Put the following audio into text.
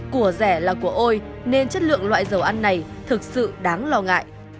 của rẻ là của ôi nên chất lượng loại dầu ăn này thực sự đáng lo ngại